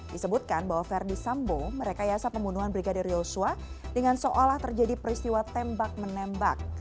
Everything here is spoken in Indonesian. disebutkan bahwa verdi sambo merekayasa pembunuhan brigadir yosua dengan seolah terjadi peristiwa tembak menembak